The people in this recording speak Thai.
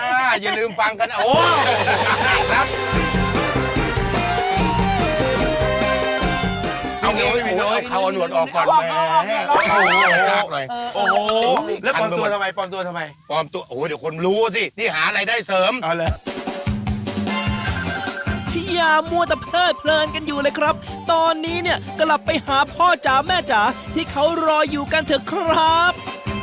กุ้งทอดปูทอดครับพี่ครับ